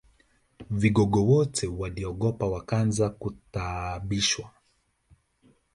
Vigogo wote waliogopa wakaanza kutaabishwa